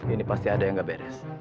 ini pasti ada yang gak beres